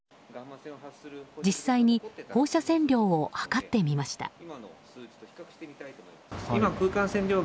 実際に放射線量を測ってみました。